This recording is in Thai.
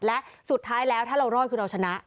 และสุดท้ายแล้วถ้าเรารอดคือเราชนะ